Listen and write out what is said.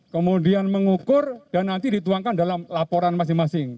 kemudian mengukur dan nanti dituangkan dalam laporan masing masing